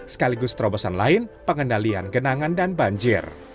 sekaligus terobosan lain pengendalian genangan dan banjir